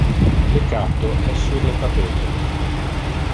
Le catto es sur le tapete.